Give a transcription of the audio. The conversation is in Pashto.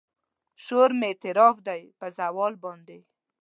شور مې اعتراف دی په زوال باندې